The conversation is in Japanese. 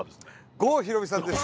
郷ひろみさんです。